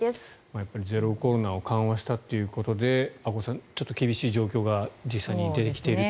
やっぱりゼロコロナを緩和したということで阿古さん、ちょっと厳しい状況が実際に出てきていると。